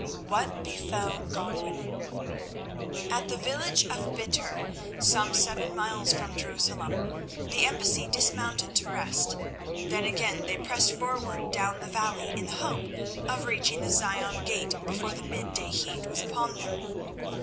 What Befell Godwin At the village of Bittir, some seven miles from Jerusalem, the embassy dismounted to rest, then again they pressed forward down the valley in the hope of reaching the Zion Gate before the mid day heat was upon them.